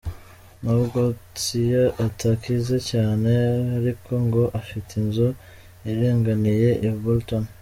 N’ubwo Tsia adakize cyane ariko ngo afite inzu iringaniye i Bolton.